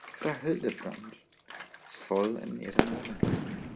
Frau Hildebrand ist voll in ihrem Element.